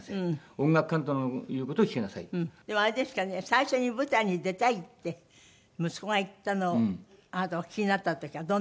最初に舞台に出たいって息子が言ったのをあなたお聞きになった時はどんな？